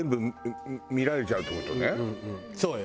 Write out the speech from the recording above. そうよ。